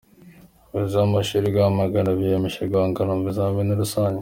Abayobozi b’amashuri i Rwamagana biyemeje guhangana mu bizamini rusange.